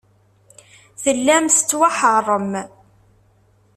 Tellam tettwaḥeṛṛem.